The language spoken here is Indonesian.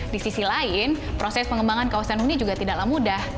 di sisi lain proses pengembangan kawasan huni juga tidaklah mudah